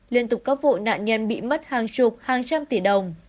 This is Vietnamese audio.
liên tục các vụ nạn nhân bị mất hàng chục hàng trăm tỷ đồng